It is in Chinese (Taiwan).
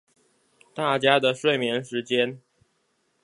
大家的睡眠時間